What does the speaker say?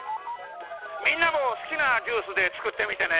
みんなもすきなジュースでつくってみてね。